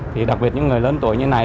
thì đặc biệt những người lớn tuổi như này